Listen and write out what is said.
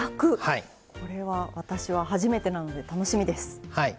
これは私は初めてなので楽しみです。